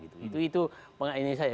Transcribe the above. itu itu pengakuan saya